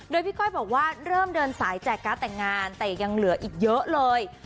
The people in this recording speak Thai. โดยพี่ก้อยบอกว่าเริ่มเดินสายแจกการ์ดแต่งงานแต่ยังเหลืออีกเยอะเลย